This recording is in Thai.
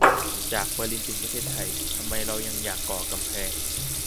จากเบอร์ลินถึงประเทศไทยทำไมเรายังอยากก่อกำแพง